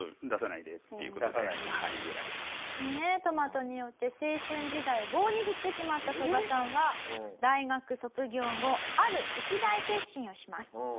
トマトによって青春時代を棒に振ってしまったソガさんは大学卒業後ある一大決心をします。